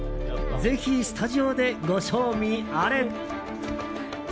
ぜひスタジオでご賞味あれ！